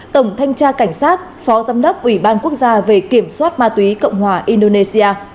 tổng thanh tra cảnh sát phó giám đốc ủy ban quốc gia về kiểm soát ma túy cộng hòa indonesia